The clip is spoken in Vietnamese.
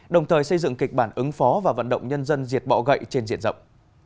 đồng thời xây dựng kịch bản ứng phó và vận động nhân dân diệt bọ gậy trên diện rộng